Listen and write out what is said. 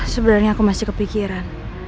sebenernya aku masih kepikiran